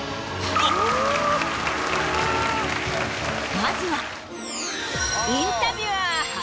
まずは。